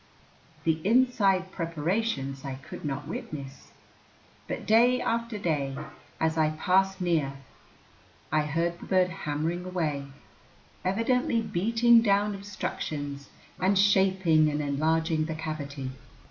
The inside preparations I could not witness, but day after day, as I passed near, I heard the bird hammering away, evidently beating down obstructions and shaping and enlarging the cavity.